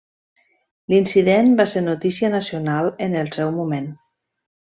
L'incident va ser notícia nacional en el seu moment.